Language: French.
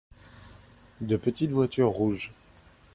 De petites voitures rouges.